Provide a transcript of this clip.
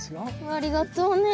ありがとうね